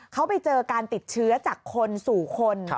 เขาไปเจอการติดเชื้อจากคนสู่คน